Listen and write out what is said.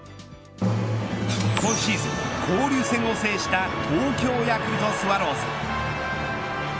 今シーズン交流戦を制した東京ヤクルトスワローズ。